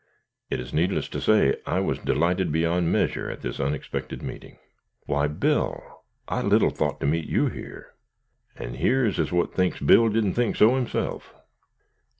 It is needless to say I was delighted beyond measure at this unexpected meeting. "Why, Bill, I little thought to meet you here." "And yer's as what thinks Bill didn't think so himself."